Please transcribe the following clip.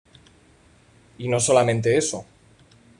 Y no solamente eso.